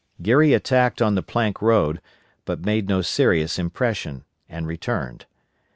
Geary attacked on the plank road, but made no serious impression, and returned.